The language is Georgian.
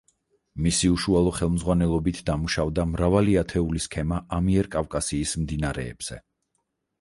მისი უშუალო ხელმძღვანელობით დამუშავდა მრავალი ათეული სქემა ამიერკავკასიის მდინარეებზე.